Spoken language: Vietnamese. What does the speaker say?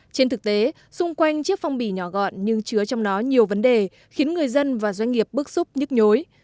trên thực tế xung quanh chiếc phong bì nhỏ gọn nhưng chứa trong nó nhiều vấn đề khiến người dân và doanh nghiệp bức xúc nhức nhối